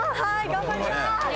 頑張ります。